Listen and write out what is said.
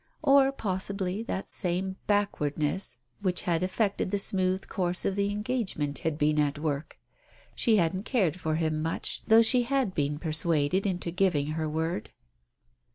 Or, possibly, that same back wardness and want of interest which had affected the smooth course of the engagement had been at work. She hadn't cared for him much, though she had been persuaded into giving her word.